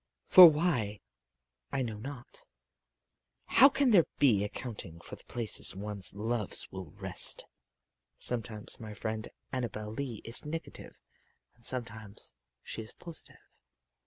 For why, I know not. How can there be accounting for the places one's loves will rest? Sometimes my friend Annabel Lee is negative and sometimes she is positive.